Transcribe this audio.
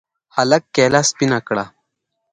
هلك کېله سپينه کړه.